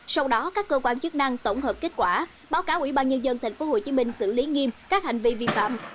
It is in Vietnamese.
sau đó các cơ quan chức năng tổng hợp kết quả báo cáo ủy ban nhân dân tp hcm xử lý nghiêm các hành vi vi phạm